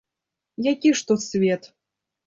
Які ж тут свет?